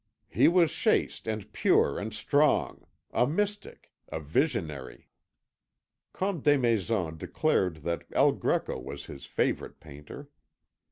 "He was chaste and pure and strong; a mystic, a visionary." Comte Desmaisons declared that El Greco was his favourite painter.